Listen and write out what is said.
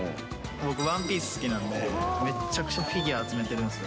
僕、ワンピース好きなんで、めっちゃくちゃフィギュア集めてるんですよ。